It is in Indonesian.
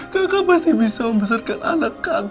kakak pasti bisa membesarkan anak kami